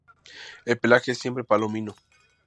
El pelaje es siempre palomino.